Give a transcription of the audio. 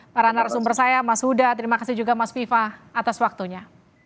para narasumber saya mas huda terima kasih juga mas viva atas waktunya